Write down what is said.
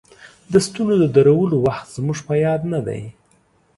د ستنو د درولو وخت زموږ په یاد نه دی.